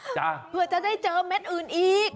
จ้ะเพื่อจะได้เจอเม็ดอื่นอีกเออ